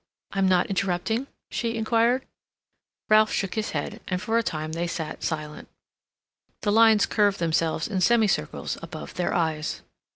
"I'm not interrupting?" she inquired. Ralph shook his head, and for a time they sat silent. The lines curved themselves in semicircles above their eyes.